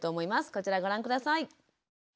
こちらご覧下さい。